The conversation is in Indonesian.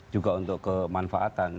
juga untuk kemanfaatan